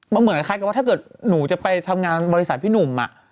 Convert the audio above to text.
มันเหมือนคล้ายกับว่าถ้าเกิดหนูจะไปทำงานบริษัทพี่หนุ่ม